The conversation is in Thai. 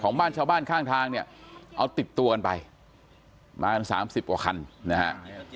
บ้านชาวบ้านข้างทางเนี่ยเอาติดตัวกันไปมากันสามสิบกว่าคันนะฮะ